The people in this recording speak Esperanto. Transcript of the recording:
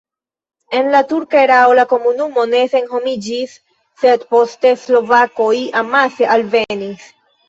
En la turka erao la komunumo ne senhomiĝis, sed poste slovakoj amase alvenis.